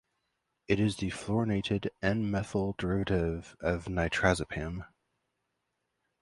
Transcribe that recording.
It is the fluorinated "N"-methyl derivative of nitrazepam.